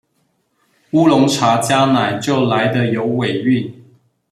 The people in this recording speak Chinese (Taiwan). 烏龍茶加奶就來得有尾韻